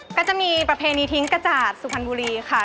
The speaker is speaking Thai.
ก็จะมีประเพณีทิ้งกระจาดสุพรรณบุรีค่ะ